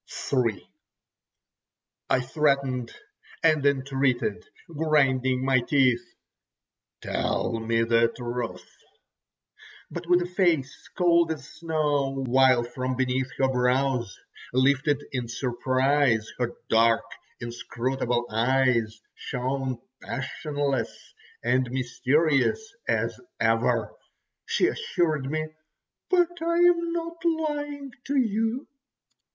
III I threatened and entreated, grinding my teeth: "Tell me the truth!" But with a face cold as snow, while from beneath her brows, lifted in surprise, her dark, inscrutable eyes shone passionless and mysterious as ever, she assured me: "But I am not lying to you."